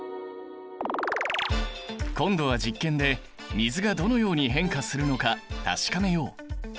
今度は実験で水がどのように変化するのか確かめよう！